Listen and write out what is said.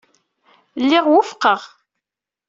Lliɣ wufqeɣ.